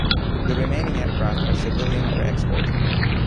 The remaining aircraft are civilian or export.